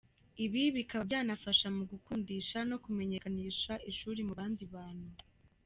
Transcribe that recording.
Ibi bikaba byanafasha mu gukundisha no kumenyekanisha ishuri mu bandi bantu.